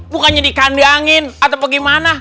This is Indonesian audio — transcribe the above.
bukannya dikandangin atau bagaimana